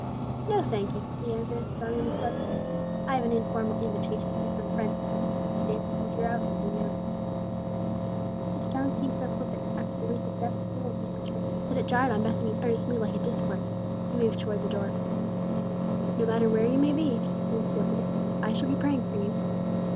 "No, thank you," he answered, drawing on his gloves. "I have an informal invitation from some friends in Hillhollow to dance the old year out and the new year in." His tone seemed so flippant after the recent depth of feeling he had betrayed, that it jarred on Bethany's earnest mood like a discord. He moved toward the door. "No matter where you may be," she said as he opened it, "I shall be praying for you."